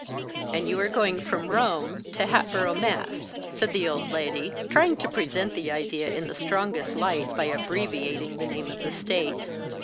"And you are going from Rome to Hatboro', Mass.," said the old lady, trying to present the idea in the strongest light by abbreviating the name of the State.